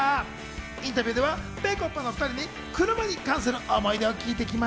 インタビューでは、ぺこぱの２人に車に関する思い出を聞いてきま